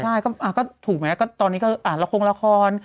ใช่ก็ถูกไหมก็ตอนนี้ก็อ่านละครละคร